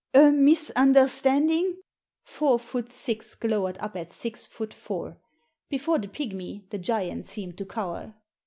" A misunderstanding ?" Four foot six glowered up at six foot four. Before the pigmy the giant seemed to cower.